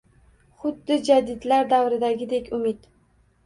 Xuddi jadidlar davridagidek umid.